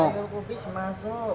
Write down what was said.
sayur kubis masuk